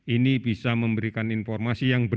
ini bisa memberikan informasi yang sangat baik